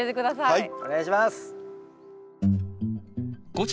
はい。